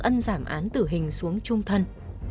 ân giảm án tử hình xuống trung thân